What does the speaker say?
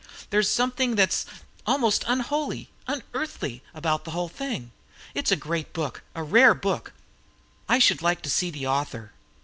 There's something that's almost unholy, unearthly, about the whole thing. It is a great book a rare book. I should like to see the author."